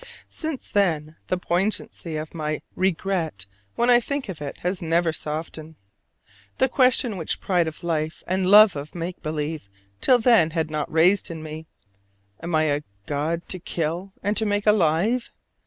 Since then the poignancy of my regret when I think of it has never softened. The question which pride of life and love of make believe till then had not raised in me, "Am I a god to kill and to make alive?"